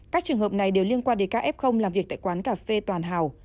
các trường hợp này đều liên quan đến ca f làm việc tại quán cà phê toàn hào